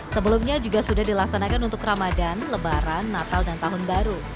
sebelumnya juga sudah dilaksanakan untuk ramadan lebaran natal dan tahun baru